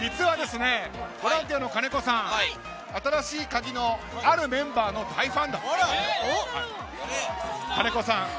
ボランティアの金子さんは実は新しいカギの、あるメンバーの大ファンなんです。